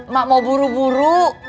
mak mau buru buru